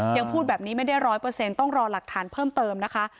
พูดแบบนี้ไม่ได้๑๐๐ต้องรอหลักฐานเพิ่มเติมนะคะ